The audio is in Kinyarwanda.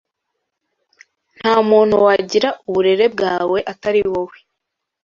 Ntamuntu wagira uburere bwawe atariwowe